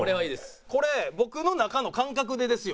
これ僕の中の感覚でですよ。